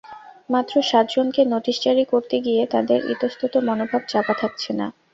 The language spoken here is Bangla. মাত্র সাতজনকে নোটিশ জারি করতে গিয়ে তাদের ইতস্তত মনোভাব চাপা থাকছে না।